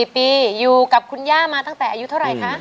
๔ปีอยู่กับคุณย่ามาตั้งแต่อายุเท่าไหร่คะ